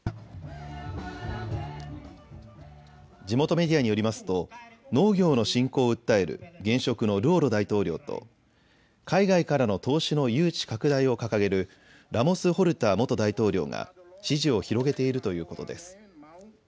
地元メディアによりますと農業の振興を訴える現職のルオロ大統領と海外からの投資の誘致拡大を掲げるラモス・ホルタ元大統領が支持を広げているということです。